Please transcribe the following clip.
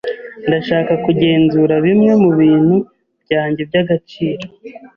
Ndashaka kugenzura bimwe mubintu byanjye by'agaciro.